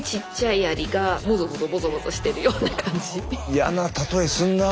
嫌な例えすんなあ。